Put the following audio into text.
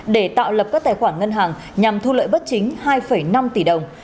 để tạo lập các tài khoản ngân hàng nhằm thu lợi bất chính hai năm tỷ đồng